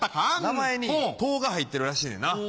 名前に「ト」が入ってるらしいねんな。